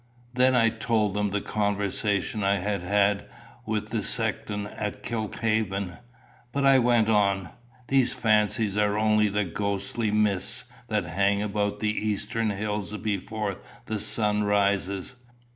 '" Then I told them the conversation I had had with the sexton at Kilkhaven. "But," I went on, "these fancies are only the ghostly mists that hang about the eastern hills before the sun rises.